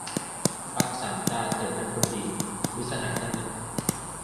"ปลั๊กสามตา เถอะนะคนดี" - มิตรสหายท่านหนึ่ง